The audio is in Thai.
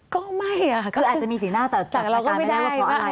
ก็ไม่อ่ะ